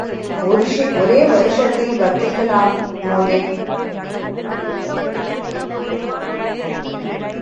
ஒரே வருஷத்தில் வக்கீல்களானோம்.